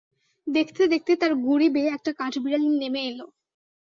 দেখতে দেখতে তার গুঁড়ি বেয়ে একটা কাঠবিড়ালি নেমে এল।